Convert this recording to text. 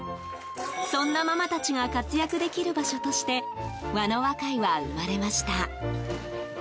そんなママたちが活躍できる場所としてわのわ会は生まれました。